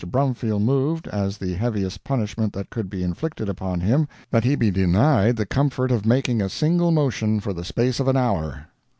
Brumfield moved, as the heaviest punishment that could be inflicted upon him, that he be denied the comfort of making a single motion for the space of an hour.